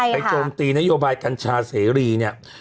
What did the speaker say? โจมตีนโยบายกัญชาเสรีเนี่ย